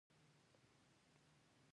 ګاز د افغان ځوانانو د هیلو استازیتوب کوي.